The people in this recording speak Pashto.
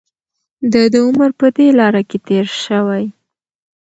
د ده عمر په دې لاره کې تېر شوی.